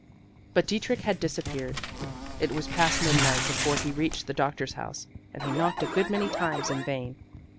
But Dietrich had disappeared. It was past midnight, before he reached the doctor's house, and he knocked a good many times in vain.